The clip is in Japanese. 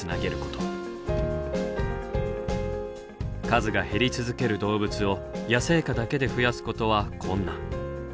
数が減り続ける動物を野生下だけで増やすことは困難。